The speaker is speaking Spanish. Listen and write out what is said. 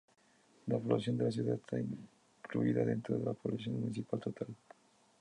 La población de la ciudad está incluida dentro de la población municipal total.